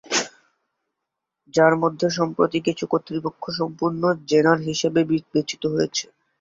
যার মধ্যে সম্প্রতি কিছু কর্তৃপক্ষ সম্পূর্ণ জেনার হিসাবে বিবেচিত হয়েছে।